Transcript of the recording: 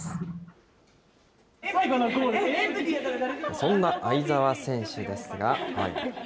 そんな相澤選手ですが。